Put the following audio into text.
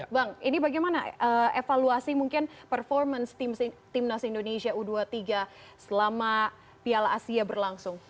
bang ini bagaimana evaluasi mungkin performance timnas indonesia u dua puluh tiga selama piala asia berlangsung